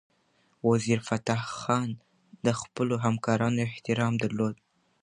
وزیرفتح خان د خپلو همکارانو احترام درلود.